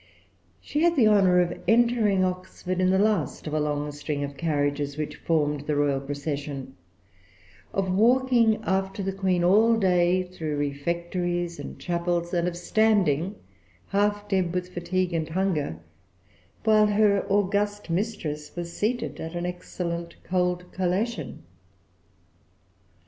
She had the honor of entering Oxford in the last of a long string of[Pg 365] carriages which formed the royal procession, of walking after the Queen all day through refectories and chapels, and of standing, half dead with fatigue and hunger, while her august mistress was seated at an excellent cold collation.